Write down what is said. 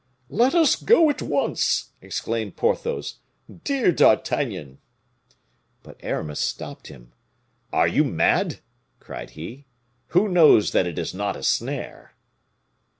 "Let us go at once," exclaimed Porthos. "Dear D'Artagnan!" But Aramis stopped him. "Are you mad?" cried he. "Who knows that it is not a snare?"